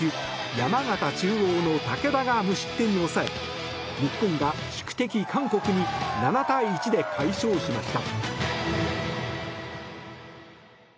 山形中央の武田が無失点に抑え日本が宿敵・韓国に７対１で快勝しました。